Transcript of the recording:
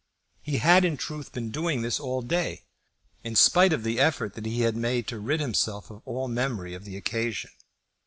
He had in truth been doing this all day, in spite of the effort that he had made to rid himself of all memory of the occasion.